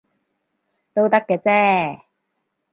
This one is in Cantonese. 都得嘅啫